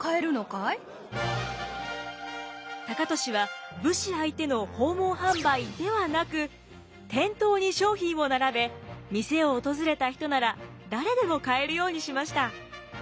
高利は武士相手の訪問販売ではなく店頭に商品を並べ店を訪れた人なら誰でも買えるようにしました。